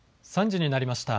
３時になりました。